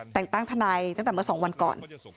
แต่งตั้งทนายตั้งแต่เมื่อ๒วันก่อน